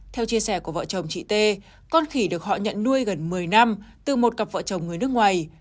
theo chia sẻ của vợ chồng chị t con khỉ được họ nhận nuôi gần một mươi năm từ một cặp vợ chồng người nước ngoài